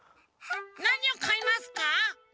なにをかいますか？